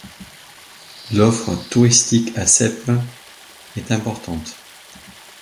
L'offre touristique à Sepmes est importante.